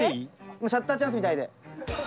もうシャッターチャンスみたいで。